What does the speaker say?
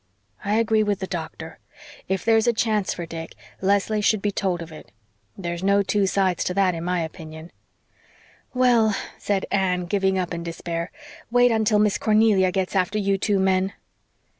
I agree with the doctor. If there's a chance for Dick, Leslie should be told of it. There's no two sides to that, in my opinion." "Well," said Anne, giving up in despair, "wait until Miss Cornelia gets after you two men."